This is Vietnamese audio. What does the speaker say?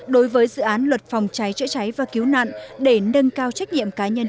đối với dự án luật phòng trái chữa trái và cứu nạn để nâng cao trách nhiệm cá nhân